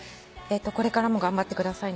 「これからも頑張ってくださいね」